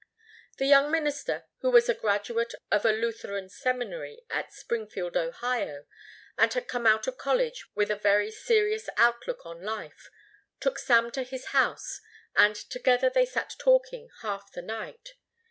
The young minister, who was a graduate of a Lutheran seminary at Springfield, Ohio, and had come out of college with a very serious outlook on life, took Sam to his house and together they sat talking half the night.